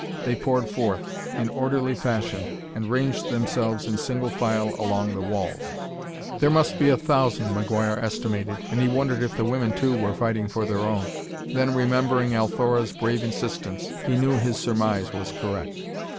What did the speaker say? They poured forth, in orderly fashion and ranged themselves in single file along the walls. There must be a thousand, McGuire estimated, and he wondered if the women, too, were fighting for their own. Then, remembering Althora's brave insistence, he knew his surmise was correct.